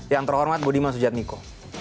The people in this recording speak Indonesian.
yang terhormat bodi mas ujad miko